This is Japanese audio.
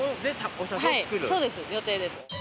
そうです予定です。